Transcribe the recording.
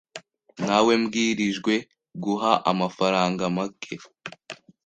Nawebwirijwe guha amafaranga make.